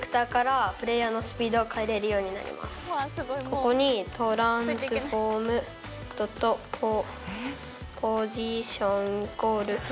ここにトランスフォームドットポジションイコール。